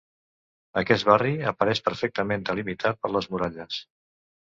Aquest barri apareix perfectament delimitat per les muralles.